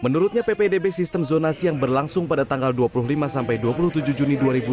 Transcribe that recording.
menurutnya ppdb sistem zonasi yang berlangsung pada tanggal dua puluh lima sampai dua puluh tujuh juni dua ribu dua puluh